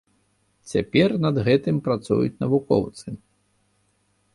Цяпер над гэтым працуюць навукоўцы.